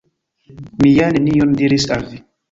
Mi ja nenion diris al vi!